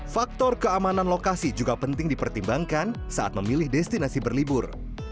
faktor keamanan lokasi juga penting dipertimbangkan saat memilih destinasi berlibur